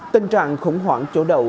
tình trạng khủng hoảng chỗ đầu